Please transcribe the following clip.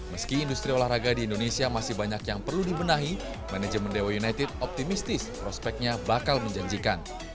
meski industri olahraga di indonesia masih banyak yang perlu dibenahi manajemen dewa united optimistis prospeknya bakal menjanjikan